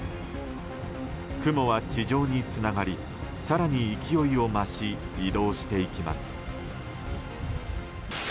雲は地上につながり更に勢いを増し移動していきます。